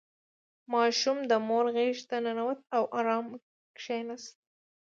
• ماشوم د مور غېږې ته ننوت او آرام کښېناست.